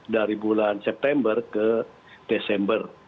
dari bulan september ke desember